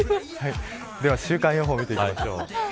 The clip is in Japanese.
では週間予報を見ていきましょう。